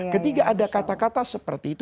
ketika ada kata kata seperti itu